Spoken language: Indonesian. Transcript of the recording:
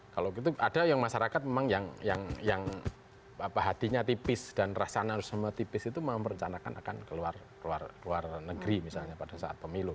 kalau gitu ada yang masyarakat memang yang hatinya tipis dan rasanya harus semua tipis itu merencanakan akan keluar negeri misalnya pada saat pemilu